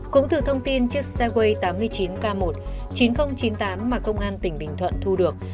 cũng từ thông tin chiếc xe way tám mươi chín k một chín nghìn chín mươi tám mà công an tỉnh bình thuận thu được